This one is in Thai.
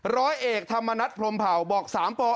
ร้อยเอกธรรมนัทพรมเภาบอกสามปอ